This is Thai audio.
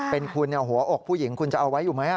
เป็นคุณหัวอกผู้หญิงคุณจะเอาไว้อยู่ไหม